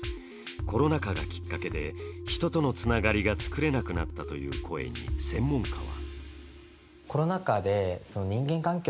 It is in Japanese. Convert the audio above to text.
コロナ禍がきっかけで人とのつながりが作れなくなったという声に、専門家は？